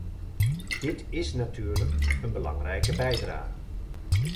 Dit is natuurlijk een belangrijke bijdrage.